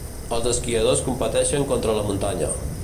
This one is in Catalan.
Els esquiadors competeixen contra la muntanya.